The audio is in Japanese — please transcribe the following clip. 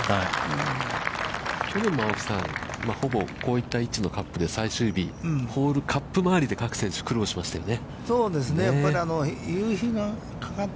去年も青木さん、ほぼ、こういった位置のカップで最終日、ホールカップ周りで、各選手苦労しましたよね。